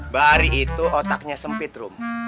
bari itu otaknya sempit rum